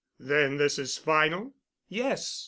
"Then this is final?" "Yes."